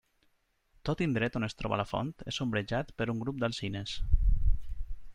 Tot indret on es troba la font és ombrejat per un grup d'alzines.